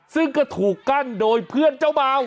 ซึ่งก็ถูกกั้นโดยเพื่อนเจ้าบ่าว